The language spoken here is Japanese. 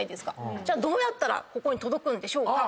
じゃあどうやったらここに届くんでしょうか？